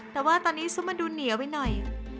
แต่ว่าตอนนี้ซุปมันดูเหนียวไปหน่อย